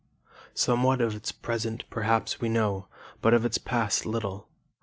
Somewhat of its present, perhaps, we know, but of its past little.